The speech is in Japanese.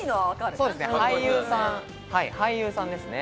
俳優さんですね。